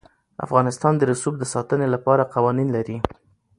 افغانستان د رسوب د ساتنې لپاره قوانین لري.